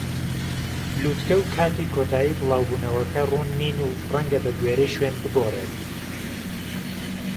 لووتکە و کاتی کۆتایی بڵاو بوونەوەکە ڕوون نین و ڕەنگە بەگوێرەی شوێن بگۆڕێت.